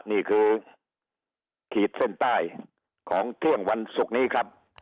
นี่คือขีดเส้นใต้ของเที่ยงวันศุกร์นี้ครับ